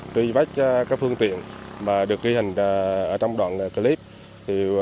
truy bách các phương tiện được ghi hình trong đoạn clip